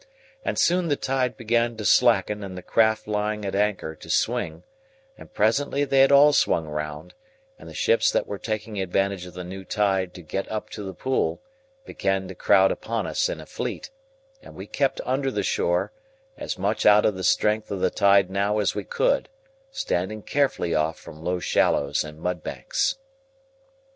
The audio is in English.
And soon the tide began to slacken, and the craft lying at anchor to swing, and presently they had all swung round, and the ships that were taking advantage of the new tide to get up to the Pool began to crowd upon us in a fleet, and we kept under the shore, as much out of the strength of the tide now as we could, standing carefully off from low shallows and mudbanks.